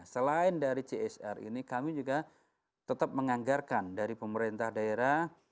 selain dari csr ini kami juga tetap menganggarkan dari pemerintah daerah